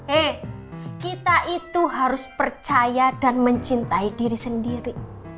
eh kita itu harus percaya dan mencintai diri sendiri